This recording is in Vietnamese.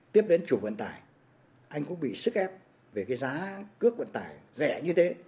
tiếp đến chủ vận tải anh cũng bị sức ép về cái giá cước vận tải rẻ như thế